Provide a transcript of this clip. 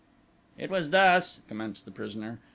"It was thus," commenced the prisoner.